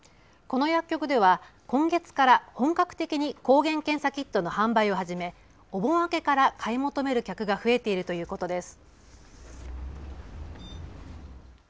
この薬局では今月から本格的に抗原検査キットの販売を始めお盆明けから買い求める客が増えているということです。